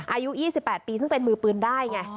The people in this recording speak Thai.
อายุ๒๘ปีซึ่งเป็นมือปืนได้ไง